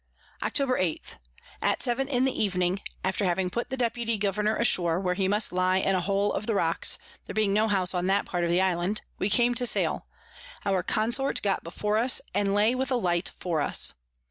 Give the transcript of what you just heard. Octob. 8. At seven in the Evening (after having put the Deputy Governour ashore, where he must lie in a Hole of the Rocks, there being no House on that part of the Island) we came to sail: our Consort got before us, and lay with a Light for us.